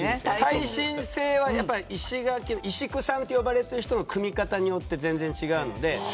耐震性は石工さんと呼ばれている人の組み方によって全然違う。